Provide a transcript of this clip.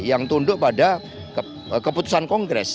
yang tunduk pada keputusan kongres